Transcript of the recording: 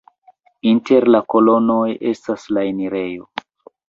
Inter la kolonoj estas la enirejo.